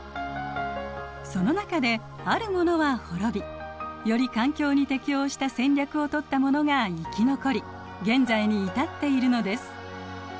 その中であるものは滅びより環境に適応した戦略をとったものが生き残り現在に至っているのです。